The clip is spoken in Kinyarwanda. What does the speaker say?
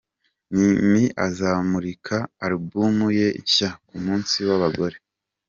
Mimi azamurika alubumu ye nshya ku munsi w’abagore